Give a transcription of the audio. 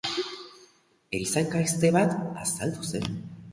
Erizain gazte bat azaldu zen.